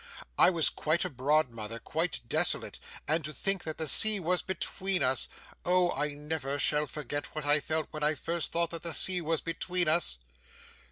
'I was quite abroad, mother, quite desolate, and to think that the sea was between us oh, I never shall forget what I felt when I first thought that the sea was between us!